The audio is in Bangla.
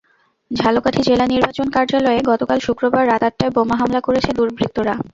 ঝালকাঠি জেলা নির্বাচন কার্যালয়ে গতকাল শুক্রবার রাত আটটায় বোমা হামলা করেছে দুর্বৃত্তরা।